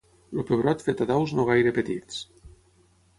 el pebrot fet a daus no gaire petits